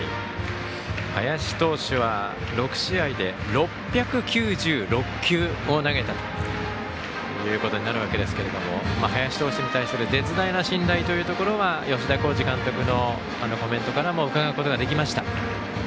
林投手は６試合で６９６球を投げたということになるわけですけど林投手に対する絶大な信頼は吉田監督のコメントからもうかがうことができました。